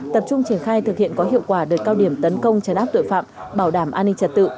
tập trung triển khai thực hiện có hiệu quả đợt cao điểm tấn công chấn áp tội phạm bảo đảm an ninh trật tự